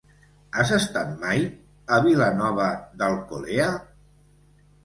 Has estat mai a Vilanova d'Alcolea?